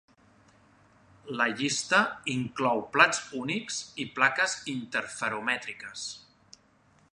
La llista inclou plats únics i plaques interferomètriques.